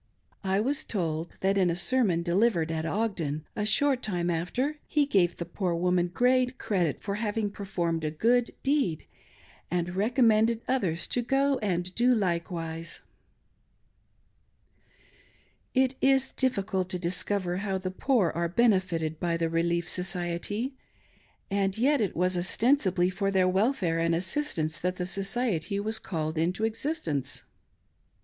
I was told that in a sermon delivered at Ogden, a Short time after, he gave the poor woman great credit for hav ing performed a good deed, and recommended others to go and do likewise ! it is difficult to discover how, the poor are benefited by the Relief Society, and yet it was ostensibly for their welfare and assistance that the Society was called into existence.